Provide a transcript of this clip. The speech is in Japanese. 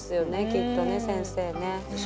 きっとね先生ねっ。